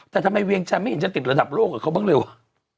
แต่ทำไมเวียงชัยไม่เห็นจะติดระดับโลกกับเขาบ้างเร็วอ่ะ